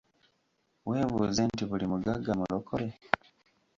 Weebuuze nti buli mugagga mulokole ?